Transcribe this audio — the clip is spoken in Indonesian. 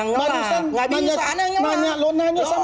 nggak bisa anda yang nyalah